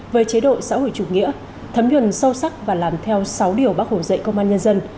với chế độ xã hội chủ nghĩa thấm nhuần sâu sắc và làm theo sáu điều bác hồ dạy công an nhân dân